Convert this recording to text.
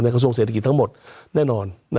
กระทรวงเศรษฐกิจทั้งหมดแน่นอน